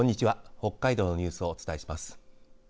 北海道のニュースをお伝えします。